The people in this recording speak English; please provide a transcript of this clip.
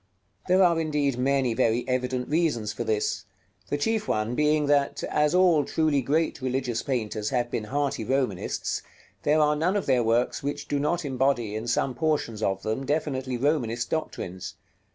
§ LIX. There are indeed many very evident reasons for this; the chief one being that, as all truly great religious painters have been hearty Romanists, there are none of their works which do not embody, in some portions of them, definitely Romanist doctrines.